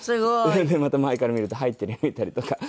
それでまた前から見ると入っているように見えたりとか。